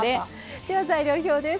では材料表です。